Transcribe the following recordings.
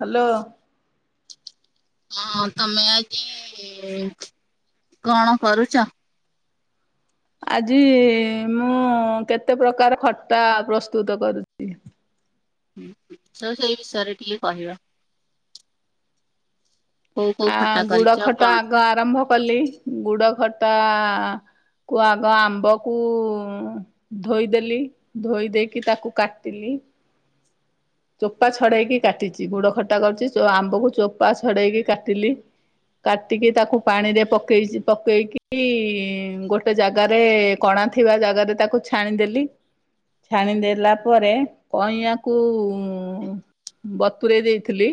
Hello. ହଁ ତମେ ଆଜି କଣ କରୁଛ? ଆଜି ମୁଁ କେତେ ପ୍ରକାର ଖଟା ପ୍ରସ୍ତୁତ କରୁଚି। ହୁଁ ହୁଁ ତ ସେଇ ବିଷୟରେ ଟିକେ କହିବା। କୋଉ କୋଉ ଆ ଖଟା ଗୁଡ କରିଛ ଖଟା କଣ? ଆଗ ଆରମ୍ଭ କଲି ଗୁଡ ଖଟା କୁ ଆଗ ଆମ୍ବ କୁ ଧୋଇଦେଲି ଧୋଇଦେଇକି ତାକୁ କାଟିଲି। ଚୋପା ଛଡେଇକି କାଟିଛି ଗୁଡ ଖଟା କରୁଛି ଆମ୍ବକୁ ଚୋପା ଛଡେଇକି କାଟିଲି। କାଟିକି ତାକୁ ପାଣିରେ ପକେଇଛି ପକେଇକି ଗୋଟେ ଜାଗାରେ କଣା ଥିବା ଜାଗାରେ ତାକୁ ଛାଣିଦେଲି। ଛାଣିଦେଲା ପରେ କଇଁଆକୁ ଉ ବତରୋଇ ଦେଇଥିଲି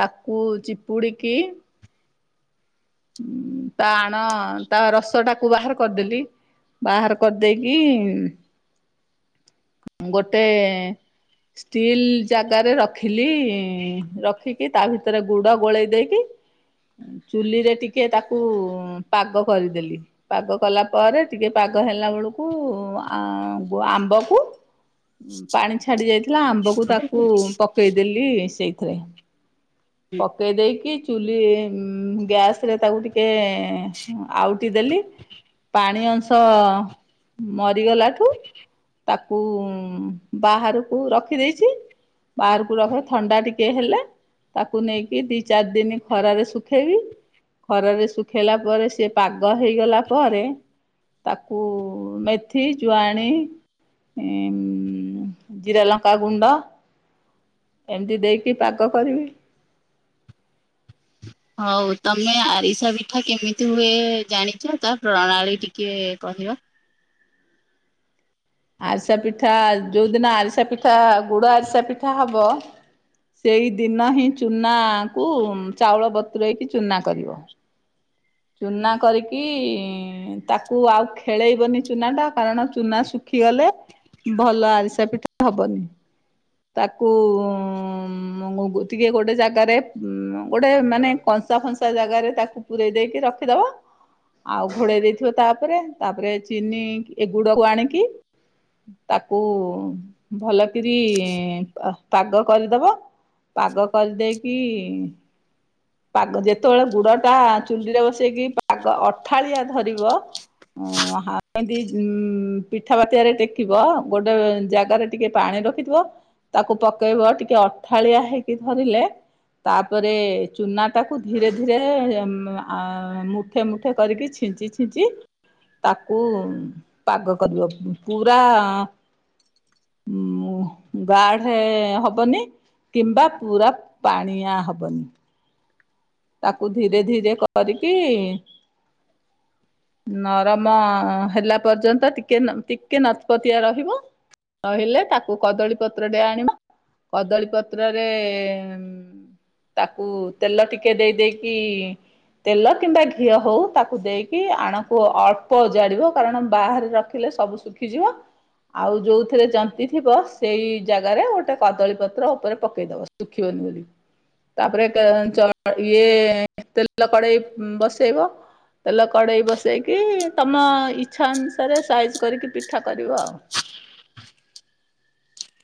ତାକୁ ଚିପୁଡ଼ିକି ତା ଆଣ ତା ରସ ଟାକୁ ବାହାର କରିଦେଲି। ବାହାର କରିଦେଇକି ଗୋଟେ ଷ୍ଟିଲ୍ ଜାଗାରେ ରଖିଲି ରଖିକି ତା ଭିତରେ ଗୁଡ଼ ଗୋଳେଇ ଦେଇକି [inaudible] ଉମ୍ ଚୁଲିରେ ଟିକେ ତାକୁ ପାଗ କରିଦେଲି। ପାଗ କଲା ପରେ ଟିକେ ପାଗ ହେଲା ବେଳକୁ ଆ ଆମ୍ବକୁ ପାଣି ଛାଡି ଯାଇଥିଲା ଆମ୍ବକୁ ତାକୁ ପକେଇଡେଲି ସେଇଥିରେ। ପକେଇ ଦେଇକି ଚୁଲି ଗ୍ୟାସରେ ତାକୁ ଟିକେ ଆଉଟି ଦେଲି। ପାଣି ଅଂଶ ମରିଗଲାଠୁ ତାକୁ ବାହାରକୁ ରଖି ଦେଇଛି। ବାହାରକୁ ରଖର ଥଣ୍ଡା ଟିକେ ହେଲେ ତାକୁ ନେଇକି ଦି ଚାରି ଦିନ ଖରାରେ ଶୁଖେଇବି। ଖରାରେ ଶୁଖେଇଲା ପରେ ସିଏ ପାଗ ହେଇଗଲା ପରେ। ତାକୁ ମେଥି, ଜୁଆଣି ଉମ୍ ଜିରା, ଲଙ୍କା ଗୁଣ୍ଡ ଏମିତି ଦେଇକି ପାଗ କରିବି। ହଉ ତମେ ଆରିସା ପିଠା କେମିତି ହୁଏ ଜାଣିଛ ତା ପ୍ରଣାଳୀ ଟିକେ କହିବ? ଆରିସା ପିଠା ଯୋଉଦିନ ଆରିସା ପିଠା ଗୁଡ଼ ଆରିସା ପିଠା ହବ। ସେଇଦିନ ହିଁ ଚୂନାକୁ ଚାଉଳ ବତୁରାଇକି ଚୂନା କରିବ। ଚୁନା କରିକି ତାକୁ ଆଉ ଖେଳେଇବନି ଚୁନା ଟା କାରଣ ଚୁନା ଶୁଖିଗଲେ ଭଲ ଆରିସା ପିଠା ହବନି। ତାକୁ ଟିକିଏ ଗୋଟେ ଜାଗାରେ ଗୋଟେ ମାନେ କଂସା ଫଂସା ଜାଗାରେ ତାକୁ ପୁରେ ଇ ଦେଇକି ରଖିଦବ। ଆଉ ଘୋଡ଼େଇ ଦେଇଥିବ ତାପରେ ତାପରେ ଚିନି ଏ ଗୁଡକୁ ଆଣିକି ତାକୁ ଭଲକିରି ପାଗ କରିଦବ। ପାଗ କରିଦେଇକି ପାଗ ଯେତେବେଳେ ଗୁଡ ଟା ଚୁଣ୍ଡିରେ ବସେଇକି ପାଗ ଅଠାଳିଆ ଧରିବ ହ ଏମତି ପିଠା ବାତିଆ ରେ ଟେକିବ ଗୋଟେ ଜାଗାରେ ଟିକେ ପାଣି ରଖିଥିବ ତାକୁ ପକେଇବ ଟିକେ ଅଠାଳିଆ ହେଇକି ଧରିଲେ ତାପରେ ଚୂନାଟାକୁ ଧୀରେ ଧୀରେ ଆ ମୁଠେ ମୁଠେ କରିକି ଛିଞ୍ଚି ଛିଞ୍ଚି ତାକୁ ପାଗ କରିବ ପୁରା ଉ ଗାଢ ହବନି। କିମ୍ବା ପୁରା ପାଣିଆ ହବନି। ତାକୁ ଧୀରେ ଧୀରେ କରିକି, [inaudible] ନରମ ହେଲା ପର୍ଯ୍ୟନ୍ତ ଟିକେ ଟିକେ ନପତିଆ ରହିବ। କହିଲେ ତାକୁ କଦଳୀ ପତ୍ର ଟେ ଆଣିବ କଦଳୀ ପତ୍ରରେ କୁ ତେଲ ଟିକେ ଦେଇ ଦେଇକି ତେଲ କିମ୍ବା ଘିଅ ହୋଉ ତାକୁ ଦେଇକି ଆଣକୁ ଅଳ୍ପ ଓଜାଡ଼ିବ କାରଣ ବାହାରେ ରଖିଲେ ସବୁ ଖି ଯିବ। ଆଉ ଯୋଉ ଥିରେ ଜନ୍ତି ଥିବ, ସେଇ ଜାଗାରେ ଗୋଟେ କଦଳୀ ପତ୍ର ଉପରେ ପକେଇଦବ। ଶୁଖୀିବନୀ ବୋଲି। ତାପରେ କ ଚ ଇଏ ତେଲ କଡେଇ ବସେଇବ ତେଲ କଡ଼େଇ ବସେଇକି ତମ ଇଚ୍ଛା ଅନୁସାରେ ସାଇଜ୍ କରିକି ପିଠା କରିବ ଆଉ।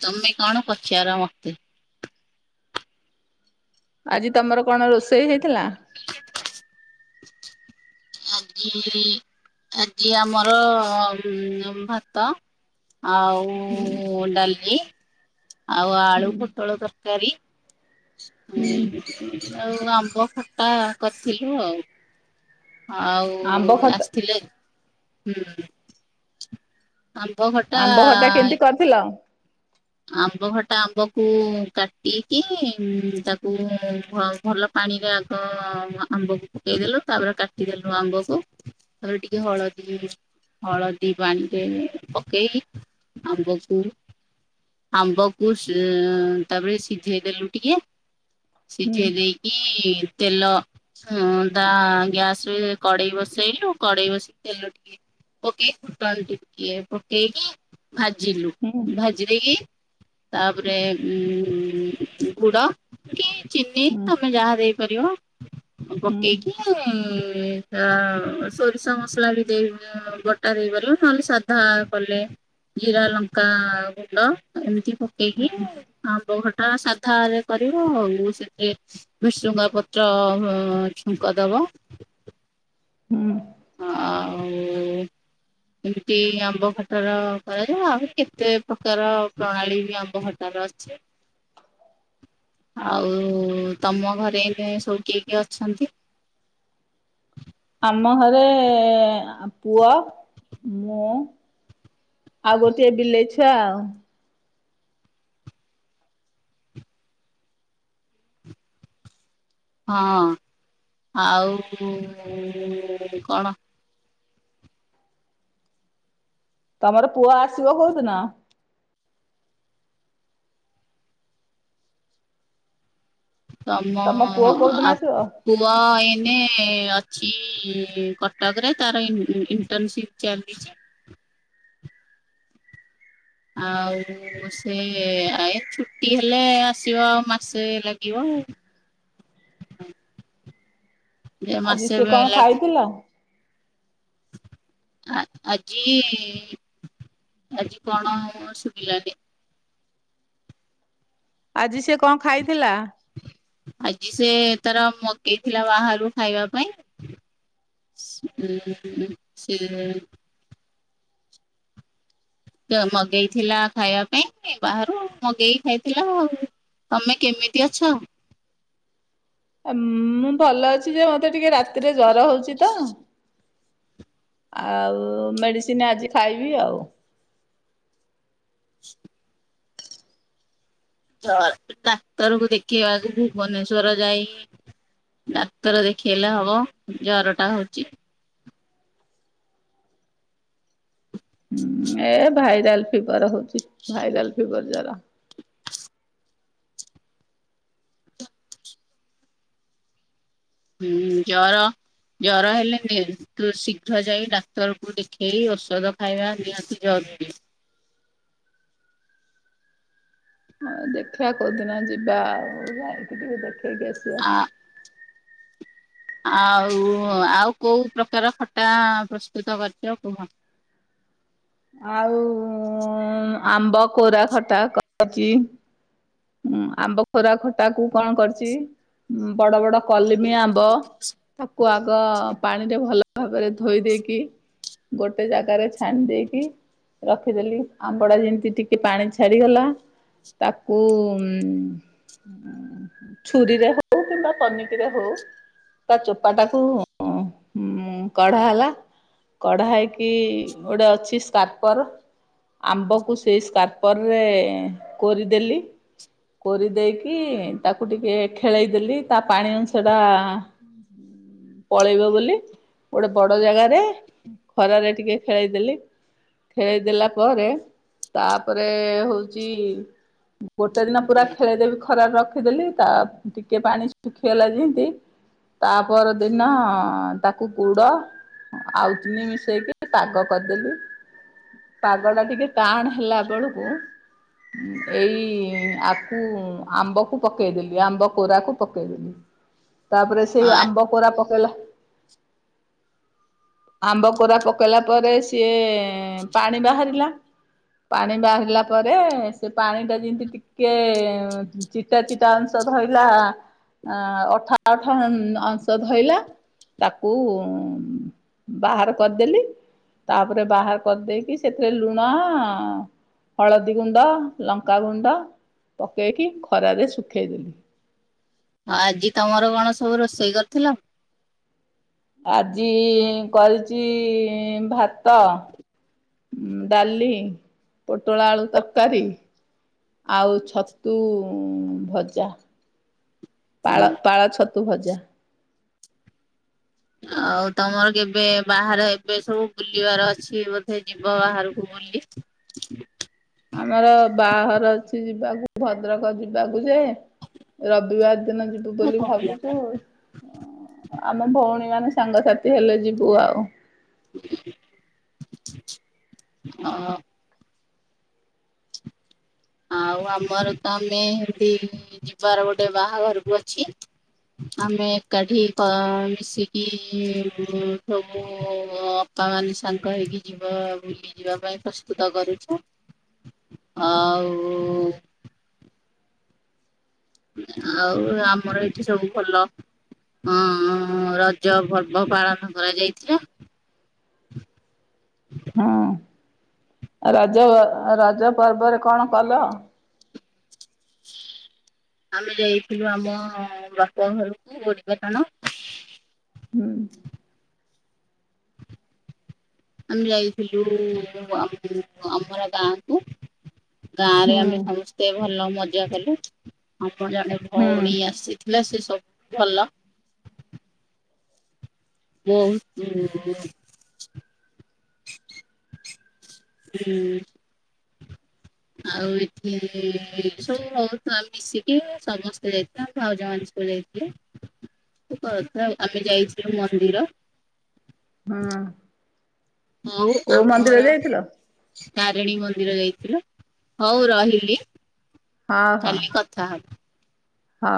ତମେ କଣ ପଚାର ମତେ? ଆଜି ତମର କଣ ରୋଷେଇ ହେଇଥିଲା? ଆଜି ଆଜି ଆମର ଭାତ ହୁଁ ଆଉ ଡାଲି। ଆଉ ହୁଁ ଆଳୁ ପୋଟଳ ତରକାରୀ ହୁଁ ଉଁ ଆଉ ଆମ୍ବ ଖଟା, କର୍ ଥିଲୁ ଆଉ। ଆମ୍ବ ଆଉ ଖଟା ଆସ୍ ଥିଲେ, ହୁଁ। ଆମ୍ବ ଖଟ୍ ଆମ୍ବ ଖଟା କେମିତି କର୍ ଥିଲ? ଆମ୍ବ ଖଟା ଆମ୍ବକୁ କାଟିକି, ତାକୁ ଭ ଭଲ ପାଣିରେ ଆଗ ଆମ୍ବକୁ ପକେଇଦେଲୁ, ତାପରେ କାଟିଦେଲୁ ଆମ୍ବକୁ। ତାପରେ ଟିକେ ହଳଦୀ ହଳଦୀ ପାଣିରେ ପକେଇକି ଆମ୍ବକୁ, ଆମ୍ବକୁ ତାପରେ ସିଝେଇ ଦେଲୁ ଟିକେ, ହୁଁ ସିଝେଇ ଦେଇ କି, ତେଲ [unintelligible] ଗ୍ୟାସ ରେ କଡ଼େଇ ବସେଇଲୁ, କଡ଼େଇ ବସେଇକି ତେଲ ଟିକେ ଓକେ, ଫୁଟଣ ଟିକେ ପକେଇକି ଭାଜିଲୁ, ହୁଁ ଭାଜି ଦେଇକି ତାପରେ, ଉଁ ଗୁଡ଼ କି ଚିନି ହୁଁ ତମେ ଯାହା ଦେ ପାରିବ, ହୁଁ ପକେଇକି ଇଁ ଆ, ସୋରିଷ ମସଲା ବି ଦେଇ ବଟା ଦେଇପାରିବ, ନଲେ ସାଧା କଲେ ଜିରା ଲଙ୍କା ଗୁଣ୍ଡ ଏମିତି ପକେଇକି ହୁଁ ଆମ୍ବ ଖଟା ସାଧା ରେ କରିବ, ଆଉ ଯୋଉ ସେଠି ଭିଶୁଙ୍ଗା ପତ୍ର ଅଁ, ଛୁଙ୍କ ଦବ। ହୁଁ। ଆଉ ଏମିତି ଆମ୍ବ ଖଟାର କରାଯାଏ, ଆଉ କେତେ ପ୍ରକାର ପ୍ରଣାଳୀ ବି ଆମ୍ବ ଖଟାର ଅଛି। ଆଉ ତୋମ ଘରେ ଏବେ ସବୁ କିଏ କିଏ ଅଛନ୍ତି? ଆମ ଘରେ ପୁଅ, ମୁଁ ଆଉ ଗୋଟିଏ ବିଲେଇ ଛୁଆ ଆଉ। ହଁ, ଆଉ କଣ? ତୋମର ପୁଅ ଆସିବ କୋଉଦିନ? ତୋମ ତମ ପୁଅ କୋଉଦିନ ଆ ଆସିବ? ପୁଅ ଏଇନେ ଅଛି କଟକ ରେ, ତାର ଇନ୍- ଇ-ଇଣ୍ଟର୍ନସିପ୍ ଚାଲିଛି। ଆଉ ପୁଅ ସେ ଆଏ ଛୁଟି ହେଲେ ଆସିବ ଆଉ ମାସେ ଲାଗିବ। ଦି ଆଜି ମାସେ ସିଏ ବି କଣ ଲାଗେ। ଖାଇଥିଲା? ଆ, ଆଜି, ଆଜି କଣ ସୁଗିଲାନି। ଆଜି ସିଏ କଣ ଖାଇଥିଲା? ଆଜି ସେ, ତାର ମଗେଇ ଥିଲା ବାହାରୁ ଖାଇବା ପାଇଁ। [unintelligible] ସେ ସେ ମଗେଇ ଥିଲା ଖାଇବା ପାଇଁ, ବାହାରୁ ମଗେଇ ଖାଇଥିଲା ଆଉ। ତୋମେ କେମିତି ଅଛ? ଅ, ମୁଁ, ଭଲ ଅଛି ଯେ ମୋତେ ଟିକେ ରାତିରେ ଜର ହଉଛି ତ। ଆଉ ମେଡ଼ିସିନ୍ ଆଜି ଖାଇବି ଆଉ। [inaudible] ଝର୍ ଡାକ୍ତର କୁ ଦେଖେଇବା ଆଗକୁ ଭୁବନେଶ୍ଵର ଯାଇକି ଡାକ୍ତର ଦେଖେଇଲେ ହବ ଜର ଟା ହଉଚି। ଏ ଭାଇରାଲ୍ ଫିବର୍ ହଉଚି, ଭାଇରାଲ୍ ଫିବର୍ ଜର। [inaudible] ହୁଁ, ଜର ଜର ହେଲେ, ନି-ତୁ ଶୀଘ୍ର ଯାଇ ଡାକ୍ତରକୁ ଦେଖେଇ ଔଷଧ ଖାଇବା ନିହାତି ଜରୁରୀ। ହଁ ଦେଖିଆ କୋଉଦିନ ଯିବା ଆଉ, ଯାଇକି ଟିକେ ଦେଖେଇକି ଆସିବା। ଆ ଆଉ, ଆଉ କୋଉ ପ୍ରକାର ଖଟା ପ୍ରସ୍ତୁତ କରିଚ କୁହ? ଆଉ, ଆମ୍ବ କୋରା ଖଟା କ କରଚି, ଉଁ, ଆମ୍ବ ଖରା ଖଟା କୁ କଣ କରଚି ଉଁ, ବଡ ବଡ କଲିମି ଆମ୍ବ ତାକୁ ଆଗ ପାଣିରେ ଭଲ ଭାବରେ ଧୋଇ ଦେଇକି, ଗୋଟେ ଜାଗାରେ ଛାଣି ଦେଇ କି ରଖିଦେଲି ଆମ୍ବଡା ଯେମତି ଟିକେ ପାଣି ଛାଡିଗଲା। ତାକୁ ଉଁ, ଛୁରୀରେ ହଉ କିମ୍ବା ପନିକିରେ ହଉ। ତା ଚୋପା ଟାକୁ ଅଁ, ଉଁ, କଢା ହେଲା। କଢା ହେଇକି ଗୋଟେ ଅଛି ତାପର ଆମ୍ବକୁ ସେଇ ସ୍କାର୍ପରରେ କରିଦେଲି। କରି ଦେଇକି ତାକୁ ଟିକେ ଖେଳେଇଦେଲି ତା ପାଣି ଅଂଶଟା ପଳେଇବ ବୋଲି ଗୋଟେ ବଡ଼ ଜାଗାରେ ଖରାରେ ଟିକେ ଖେଳେଇ ଦେଲି। ଖେଳେଇଦେଲା ପରେ ତାପରେ ହଉଛି ଗୋଟେ ଦିନ ପୁରା ଖେଳେଇଦେବି ଖରା ରେ ରଖିଦେଲି ତା ଟିକେ ପାଣି ଶୁଖିଗଲା ଯେମିତି ତା ପରଦିନ ତାକୁ ଗୁଡ ଆଉ ଚିନି ମିଶେଇକି ପାଗ କରିଦେଲି। ପାଗ ଟା ଟିକେ ଟାନେ ହେଲା ବେଳକୁ ଏଇ ଆକୁ ଆମ୍ବକୁ ପକେଇଦେଲି ଆମ୍ବ କୋରାକୁ ପକେଇଦେଲି। ତାପରେ ସେଇ ଆ ଆମ୍ବ କୋରା ପକେଇଲା ଆମ୍ବ କୋରା ପକେଇଲା ପରେ ସିଏ ପାଣି ବାହାରିଲା। ପାଣି ବାହାରିଲା ପରେ ସେ ପାଣି ଟା ଯେମତି ଟି କେ ଚିତା ଚିତା ଅଂଶ ଧଇଲା ଅ ଅଠା ଅଠା ଅଂଶ ଧଇଲା। ତାକୁ ବାହାର କରିଦେଲି ତାପରେ ବାହାର କରିଦେଇକି ସେଥିରେ ଲୁଣ, ହଳଦୀ ଗୁଣ୍ଡ, ଲଙ୍କା ଗୁଣ୍ଡ ପକେଇକି ଖରାରେ ଶୁଖେଇଦେଲି। ହଁ ଆଜି ତମର କଣ ସବୁ ରୋଷେଇ କରିଥିଲ? ଆଜି କରିଛି ଭାତ ଡାଲି, ପୋଟଳ ଆଳୁ ତରକାରୀ ଆଉ ଛତୁ ଭଜା। ପାଳ ପାଳ ଛତୁ ଭଜା। ଆଉ ତମର କେବେ ବାହାର ଏବେ ସବୁ ବୁଲିବାର ଅଛି ବୋଧେ ଯିବ ବାହାରକୁ, ବୁଲି, ଆମର ବାହାଘର ଅଛି ଯିବାକୁ ଭଦ୍ରକ ଯିବାକୁ ଯେ ରବିବାର ଦିନ ଯିବ ତୁ ମୁଁ ବୋଲି କହିଲା ପା। ଭାବୁଛୁ ଆମ ଭଉଣୀ ମାନେ ସାଙ୍ଗସାଥି ହେଲେ ଯିବୁ ଆଉ। ହଁ। ଆଉ ଆମର ତ ଆମେ ଏମିତି ଯିବାର ଗୋଟେ ବାହାଘରକୁ ଅଛି। ଆମେ ଏକାଠି ତ ମିଶିକି ସବୁ ଅ ବାପା ମାନେ ସାଙ୍ଗ ହେଇକି ଯିବ ଆ ବୁଲି ଯିବା ପାଇଁ ପ୍ରସ୍ତୁତ କରୁଛୁ। ହଉ, ଆଉ ଆମର ଏଠି ସବୁ ଭଲ। ହଁ ରଜ ପର୍ବ ପାଳନ କରାଯାଇଥିଲା। ହଁ। ରଜ ରଜ ପର୍ବରେ କଣ କଲ? ଆମେ ଯାଇଥିଲୁ ଆମ ବାପା ଘରକୁ ଗୋଡି ପାଟଣ। ହୁଁ। ଆମେ ଯାଇଥିଲୁ ଆମ ଆମର ଗାଁକୁୁ। ଗାଁରେ ହୁଁ ଆମେ ସମସ୍ତେ ଭଲ ମଜା କଲୁ ଆମର ଜଣେ ହୁଁ ଭଉଣୀ ଆସି ଥିଲା ସେ ସବୁ ଭଲ। ବହୁତ୍ ହୁଁ। ଆଉ ଏଠି ସବୁ ବହୁତ ଆଡୁ ମିଶିକି ସମସ୍ତେ ଯାଇଥିଲେ ଆମ ଭାଉଜ ମାନେ ସବୁ ଯାଇଥିଲେ। କଥା ଆମେ ଯାଇଥିଲୁ ମନ୍ଦିର, ହୁଁ। ମୋର କୋଉ ମନ୍ଦିର ଆମର ଯାଇଥିଲ ତାରିଣୀ ମନ୍ଦିର ଯାଇଥିଲୁ ହଉ ରହିଲି କାଲି କ ତାହା ହ।